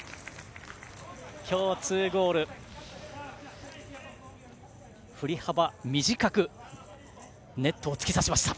今日２ゴールふり幅短くネットを突き刺しました。